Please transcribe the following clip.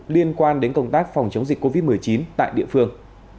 liên quan đến công tác phòng chống dịch covid một mươi chín tại địa phương